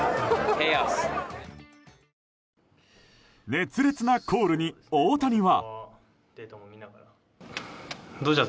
熱烈なコールに大谷は。